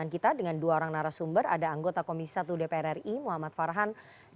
keluar markas atasan